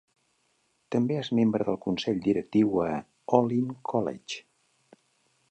També és membre del Consell Directiu a Olin College.